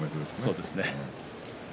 そうですね。